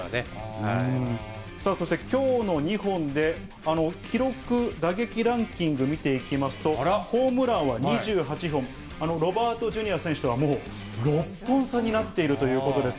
そして、きょうの２本で、記録、打撃ランキングで見ていきますと、ホームランは２８本、ロバートジュニア選手とはもう６本差になっているということです。